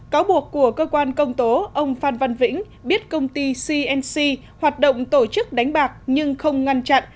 cáo buộc của cơ quan công tố ông phan văn vĩnh biết công ty cnc hoạt động tổ chức đánh bạc nhưng không ngăn chặn